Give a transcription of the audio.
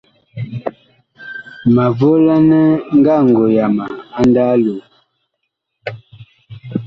Ma volanɛ ngango yama a ndaa loo.